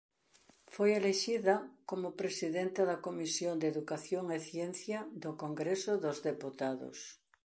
Foi elixida como Presidenta da Comisión de Educación e Ciencia do Congreso dos Deputados.